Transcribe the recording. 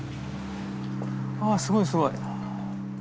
あすごいすごい。